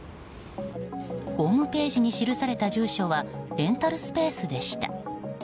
ホームページに記された住所はレンタルスペースでした。